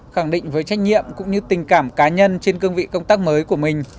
khẳng định với trách nhiệm cũng như tình cảm cá nhân trên cương vị công tác mới của mình